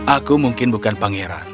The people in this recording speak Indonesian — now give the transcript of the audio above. aku mungkin bukan pangeran